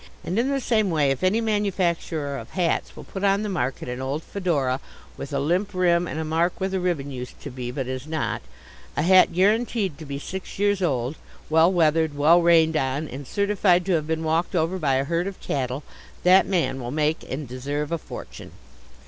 And in the same way if any manufacturer of hats will put on the market an old fedora, with a limp rim and a mark where the ribbon used to be but is not a hat guaranteed to be six years old, well weathered, well rained on, and certified to have been walked over by a herd of cattle that man will make and deserve a fortune.